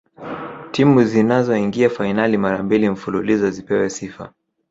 timu zinazoingia fainali mara mbili mfululizo zipewe sifa